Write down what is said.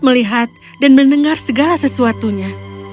melihat dan mendengar segala sesuatunya